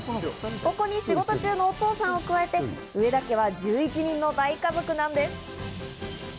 仕事中のお父さんを加えて上田家は１１人の大家族なんです。